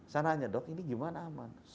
saya nanya dok ini gimana aman